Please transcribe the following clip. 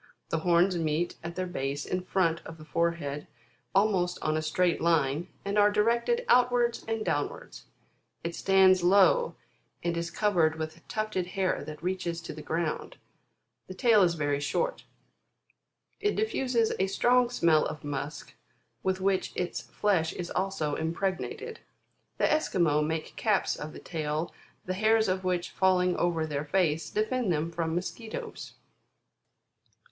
The horns meet at their base in front of the forehead almost on a straight line, and are directed outwards and downwards. It stands low, and is covered with tufted hair that reaches to the ground. The tail is very short. It diffuses a strong smell of musk with which its flesh is also impregnated. The Esquimaux make caps of the tail, the hairs of which falling over their face, defend them from mosquitoes.